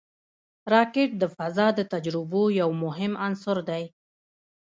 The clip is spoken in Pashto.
راکټ د فضا د تجربو یو مهم عنصر دی